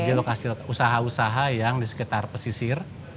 jadi lokasi usaha usaha yang di sekitar pesisir